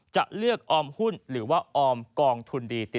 จะเลือกออมหุ้นหรือว่าออมกองทุนดีติด